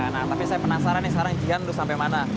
nah tapi saya penasaran nih sekarang jian lu sampai mana